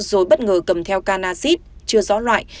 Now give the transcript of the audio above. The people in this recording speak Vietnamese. rồi bất ngờ cầm theo can acid chưa rõ loại